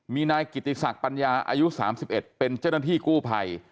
มีนายกิติศักดิ์ปัญญาอายุ๓๑เป็นเจ้าหน้าที่กู้ภัย